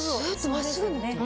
真っすぐ伸びてる。